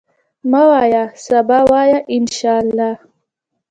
مه وایه سبا، وایه ان شاءالله.